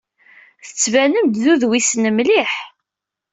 Tettbanem-d d udwisen mliḥ!